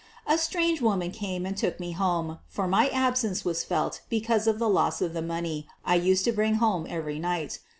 A strange woman came and took me home, for my absence was felt because of the loss of the money I used to bring home every night.